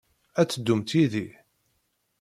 Ad teddumt yid-i?